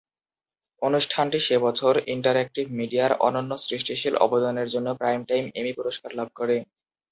অনুষ্ঠানটি সে বছর ইন্টারেক্টিভ মিডিয়ায় অনন্য সৃষ্টিশীল অবদানের জন্য প্রাইমটাইম এমি পুরস্কার লাভ করে।